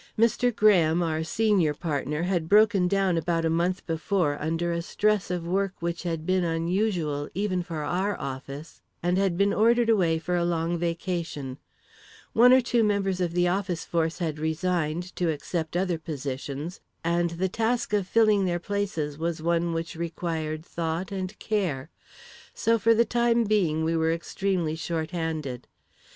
Mr. Graham, our senior partner, had broken down about a month before, under a stress of work which had been unusual, even for our office, and had been ordered away for a long vacation; one or two members of the office force had resigned to accept other positions, and the task of filling their places was one which required thought and care; so for the time being, we were extremely short handed.